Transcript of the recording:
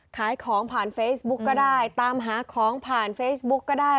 ขายของผ่านเฟซบุ๊กก็ได้ตามหาของผ่านเฟซบุ๊กก็ได้